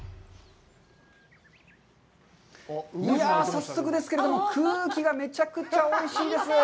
早速ですけれども、空気がめちゃくちゃおいしいです。